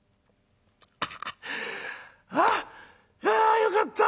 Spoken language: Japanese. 「ああっあよかった！